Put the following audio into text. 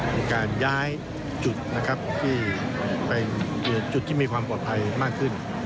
มีการย้ายจุดนะครับที่มีความปลอดภัยมากขึ้น